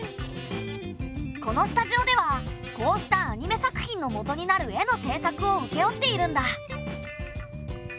このスタジオではこうしたアニメ作品のもとになる絵の制作をうけ負っているんだ。